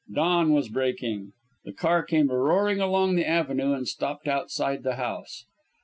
Dawn was breaking. The car came roaring along the avenue and stopped outside the house.